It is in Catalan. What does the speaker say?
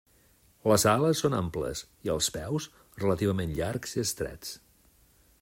Les ales són amples, i, els peus, relativament llargs i estrets.